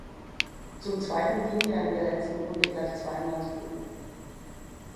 Zum Zweiten ging er in der letzten Runde gleich zweimal zu Boden.